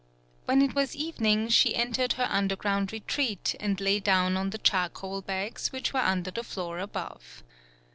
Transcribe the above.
When it was evening she entered her underground retreat and lay down on the charcoal bags which were under the floor above.